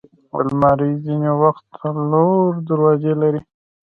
الماري ځینې وخت څلور دروازې لري